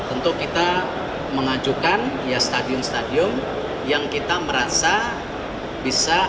untuk kita mengajukan stadion stadion yang kita merasa bisa